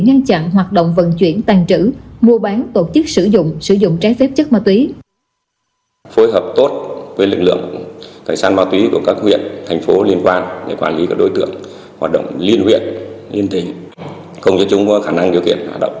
ngăn chặn hoạt động vận chuyển tàn trữ mua bán tổ chức sử dụng sử dụng trái phép chất ma túy